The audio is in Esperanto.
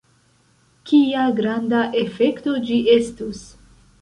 Kia granda efekto ĝi estus!